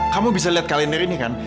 kamu bisa lihat kalender ini kan